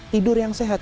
tidur yang sehat